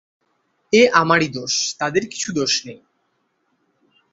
এ আমারই দোষ, তাদের কিছু দোষ নেই।